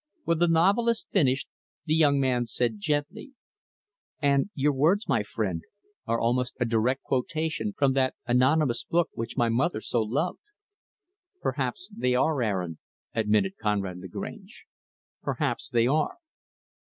When the novelist finished, the young man said gently, "And your words, my friend, are almost a direct quotation from that anonymous book which my mother so loved." "Perhaps they are, Aaron" admitted Conrad Lagrange "perhaps they are."